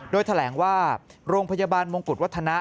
โดยแถลงว่าโรงพยาบาลมงกุฎวัฒนะ